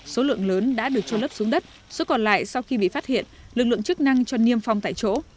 số lượng lớn đã được trôn lấp xuống đất số còn lại sau khi bị phát hiện lực lượng chức năng cho niêm phong tại chỗ